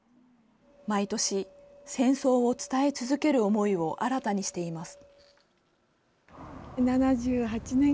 毎年、戦争を伝え続ける思いを新たにしています。